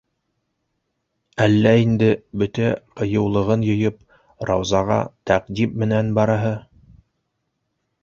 Әллә инде, бөтә ҡыйыулығын йыйып, Раузаға тәҡдим менән бараһы?